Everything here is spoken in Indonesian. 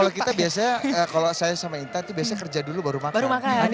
kalau kita biasanya kalau saya sama intan itu biasanya kerja dulu baru makan